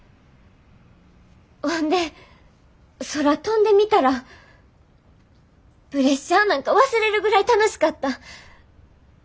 ほんで空飛んでみたらプレッシャーなんか忘れるぐらい楽しかった。